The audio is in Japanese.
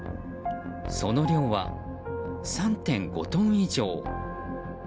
その量は３．５トン以上。